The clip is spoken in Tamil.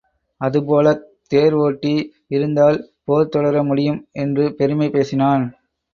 அதுபோலத் தேர் ஒட்டி இருந்தால் போர் தொடர முடியும் என்று பெருமை பேசினான்.